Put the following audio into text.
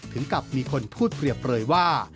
ถึงกับมีคนพูดเปรียบเลยว่า